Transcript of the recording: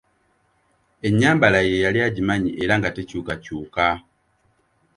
Ennyambala ye yali agimanyi era nga tekyukakyuka.